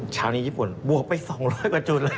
เช้านี้ญี่ปุ่นบวกไป๒๐๐กว่าจุดเลย